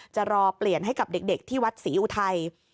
จะรอเปลี่ยนให้กับเด็กที่วัดศรีอุทัย